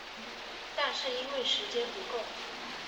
但是因为时间不够